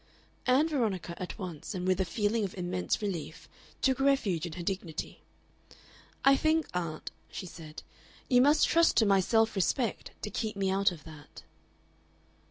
Ann Veronica at once, and with a feeling of immense relief, took refuge in her dignity. "I think, aunt," she said, "you might trust to my self respect to keep me out of that."